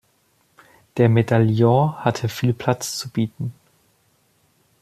Der Medallion hatte viel Platz zu bieten.